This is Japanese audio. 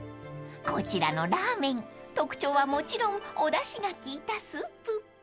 ［こちらのらぁ麺特徴はもちろんおだしが効いたスープ］